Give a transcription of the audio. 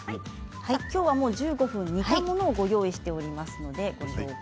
今日は１５分煮たものをご用意しています。